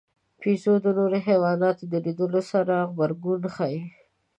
بیزو د نورو حیواناتو د لیدلو سره غبرګون ښيي.